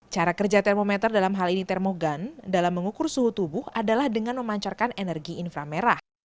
cara kerja termometer dalam hal ini termogan dalam mengukur suhu tubuh adalah dengan memancarkan energi infra merah